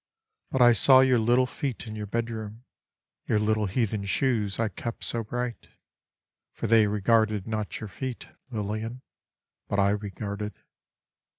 But I saw your little feet in your bedroom, Your little heathen shoes I kept so bright. For they regarded not your feet, Lilian, But I regarded.